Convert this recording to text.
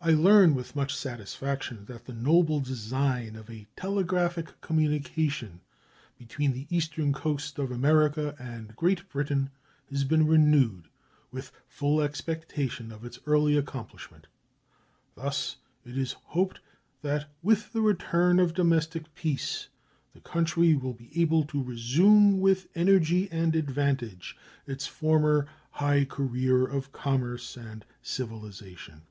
I learn with much satisfaction that the noble design of a telegraphic communication between the eastern coast of America and Great Britain has been renewed, with full expectation of its early accomplishment. Thus it is hoped that with the return of domestic peace the country will be able to resume with energy and advantage its former high career of commerce and civilization.